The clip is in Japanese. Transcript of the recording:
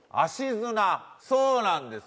そうなんです！